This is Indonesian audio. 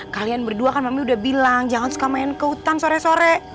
kalian berdua kan memang udah bilang jangan suka main ke hutan sore sore